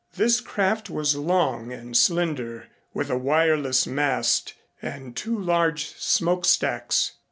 This craft was long and slender with a wireless mast and two large smoke stacks.